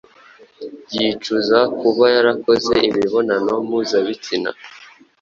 yicuza kuba yarakoze imibonano mpuzabitsina